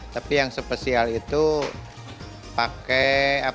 tapi yang spesial itu pakai apa